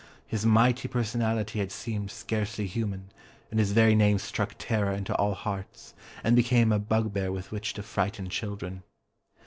His mighty personality had seemed scarcely human, and his very name struck terror into all hearts, and became a bugbear with which to frighten children.